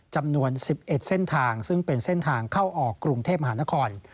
จำนวน๑๑เส้นทางซึ่งเป็นเส้นทางเข้าออกกรุงเทพมหานคร